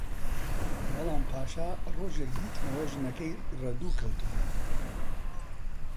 بەڵام پاشە ڕۆژێک دیتمەوە ژنەکەی ڕەدوو کەوتبوو